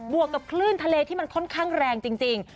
วกกับคลื่นทะเลที่มันค่อนข้างแรงจริง